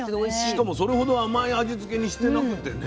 しかもそれほど甘い味つけにしてなくてね。